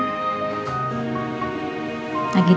jessy cantik ya sam